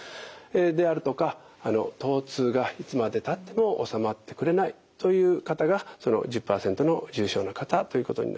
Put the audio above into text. であるとかとう痛がいつまでたっても治まってくれないという方がその１０％の重症の方ということになります。